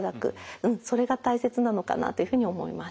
うんそれが大切なのかなっていうふうに思います。